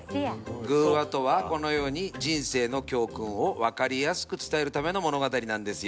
寓話とはこのように人生の教訓を分かりやすく伝えるための物語なんですよ。